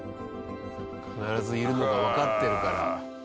必ずいるのがわかってるから。